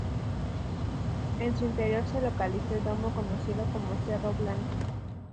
En su interior se localiza el domo conocido como Cerro Blanco.